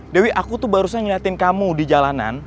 dewi aku tuh barusan kamu di jalanan